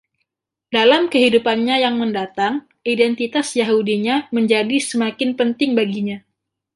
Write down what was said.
Dalam kehidupannya yang mendatang, identitas Yahudinya menjadi semakin penting baginya.